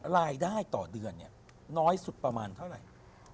รายได้ต่อเดือนเนี่ยน้อยสุดประมาณเท่าไหร่